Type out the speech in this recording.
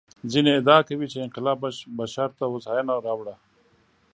ځینې ادعا کوي چې انقلاب بشر ته هوساینه راوړه.